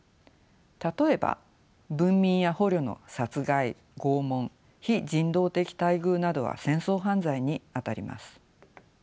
例えば文民や捕虜の殺害拷問非人道的待遇などは戦争犯罪にあたります。